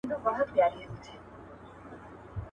• پوروړی د مور مېړه دئ.